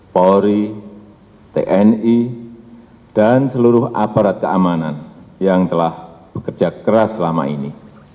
polri tni dan seluruh aparat keamanan yang telah bekerja keras selama ini